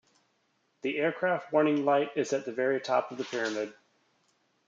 The aircraft warning light is at the very top of the pyramid.